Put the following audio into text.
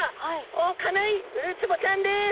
おっかないウツボちゃんです。